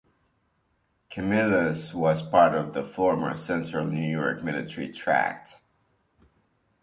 Camillus was part of the former Central New York Military Tract.